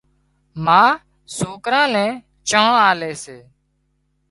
ما سوڪران نين چانه آلي سي